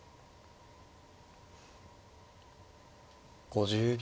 ５０秒。